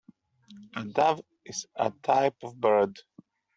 A Dove is a type of bird.